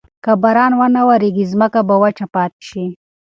که باران ونه وریږي، ځمکه به وچه پاتې شي.